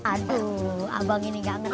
aduh abang ini gak ngerti